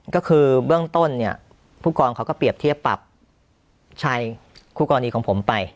ก็คือเบื้องต้นเนี่ยผู้กองเขาก็เปรียบเทียบปรับชายคู่กรณีของผมไป